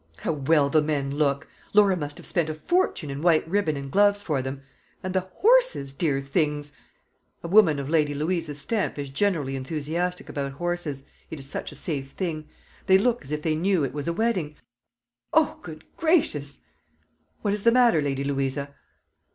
How well the men look! Laura must have spent a fortune in white ribbon and gloves for them and the horses, dear things!" a woman of Lady Louisa's stamp is generally enthusiastic about horses, it is such a safe thing "they look as if they knew it was a wedding. O, good gracious!" "What is the matter. Lady Louisa?"